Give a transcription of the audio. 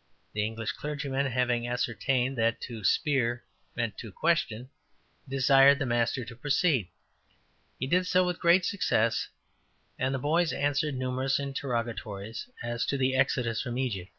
'' The English clergyman having ascertained that to speer meant to question, desired the master to proceed. He did so with great success, and the boys answered numerous interrogatories as to the Exodus from Egypt.